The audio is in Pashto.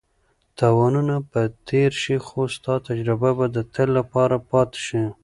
تاوانونه به تېر شي خو ستا تجربه به د تل لپاره پاتې شي.